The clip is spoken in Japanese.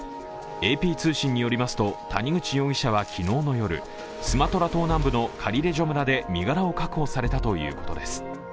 ＡＰ通信によりますと谷口容疑者は昨日の夜、スマトラ島南部のカリレジョ村で身柄を確保されたということです。